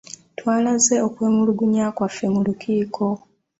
Twalaze okwemulugunya kwaffe mu lukiiko.